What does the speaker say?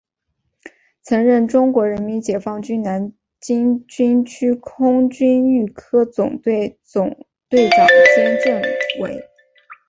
曾任中国人民解放军南京军区空军预科总队总队长兼政委。